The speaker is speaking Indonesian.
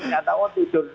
ternyata oh tidur